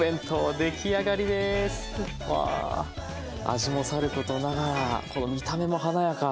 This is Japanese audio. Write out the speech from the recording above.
味もさることながらこの見た目も華やか。